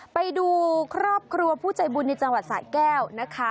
ไปดูครอบครัวผู้ใจบุญในจังหวัดสะแก้วนะคะ